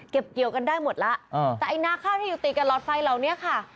เกี่ยวกันได้หมดแล้วแต่ไอ้นาข้าวที่อยู่ติดกับหลอดไฟเหล่านี้ค่ะ